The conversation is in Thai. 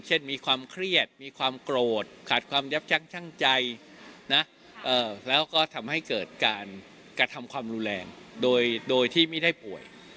เช่นมีความเครียดมีความโกรธขาดความยับยั้งชั่งใจนะแล้วก็ทำให้เกิดการกระทำความรุนแรงโดยที่ไม่ได้ป่วย